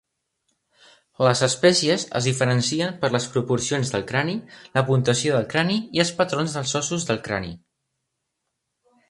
Les espècies es diferencien per les proporcions del crani, la puntuació del crani i els patrons dels ossos del crani.